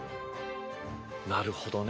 なるほどね。